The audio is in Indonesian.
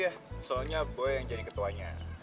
iya soalnya boy yang jadi ketuanya